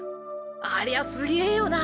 ありゃすげえよな。